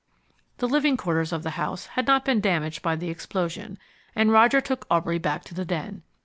The living quarters of the house had not been damaged by the explosion, and Roger took Aubrey back to the den.